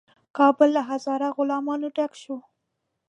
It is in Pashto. کابل له هزاره غلامانو ډک شو.